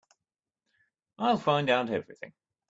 I'll find out everything.